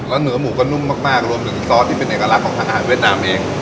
แล้วเนื้อหมูก็นุ่มมากรวมถึงซอสที่เป็นเอกลักษณ์ของทางอาหารเวียดนามเอง